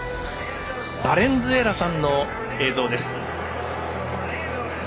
バレンズエラさんの映像です。